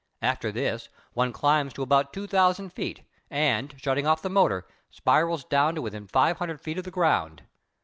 After this, one climbs to about two thousand feet and, shutting off the motor, spirals down to within five hundred feet of the ground.